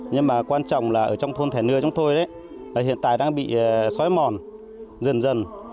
nhưng mà quan trọng là ở trong thôn thẻ nưa chúng tôi hiện tại đang bị xói mòn dần dần